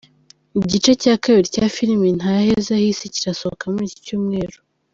Igice cya kabiri cya filimi “nta heza h’isi”, kirasohoka muri iki cyumweru